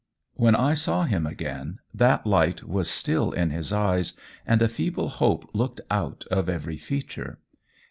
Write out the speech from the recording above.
When I saw him again that light was still in his eyes, and a feeble hope looked out of every feature.